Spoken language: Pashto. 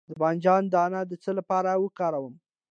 د بانجان دانه د څه لپاره وکاروم؟